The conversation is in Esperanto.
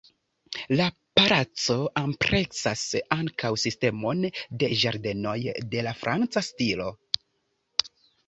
La palaco ampleksas ankaŭ sistemon de ĝardenoj de la franca stilo.